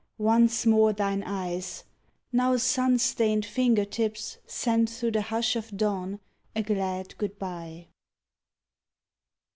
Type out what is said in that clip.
Once more thine eyes! Now sun stained finger tips, Send through the hush of dawn a glad good bye.